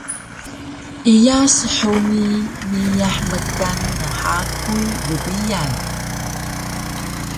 Iya shungi meiyah mkan nhapuy gbiyan